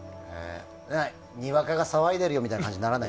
にわかが騒いでいるよっていう感じにはならない？